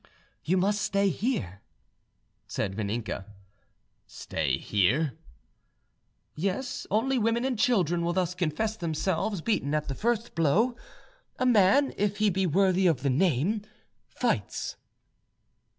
"You must stay here," said Vaninka. "Stay here?" "Yes; only women and children will thus confess themselves beaten at the first blow: a man, if he be worthy of the name, fights."